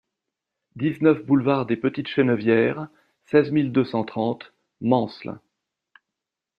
dix-neuf boulevard des Petites Chenevières, seize mille deux cent trente Mansle